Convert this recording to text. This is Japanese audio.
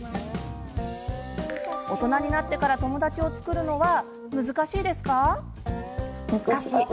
大人になってから友達を作るのは難しいですか？